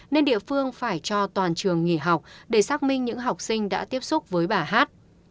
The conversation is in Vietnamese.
nên địa phương phải cho toàn trường nghỉ học để xác minh những học sinh đã tiếp xúc với bà hát